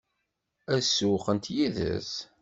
Ad sewweqent yid-s?